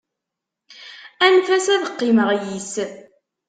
Anef-as, ad qqimeɣ yis-s.